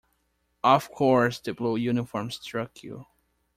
Of course the blue uniform struck you.